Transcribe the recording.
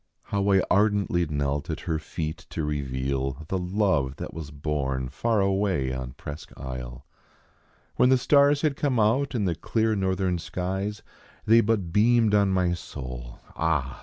IIo\v I ardently knelt at her feet to reveal, The love that was born far away on Presque Isle. When the stars had come out in the clear northern skies They but beamed on my soul, ah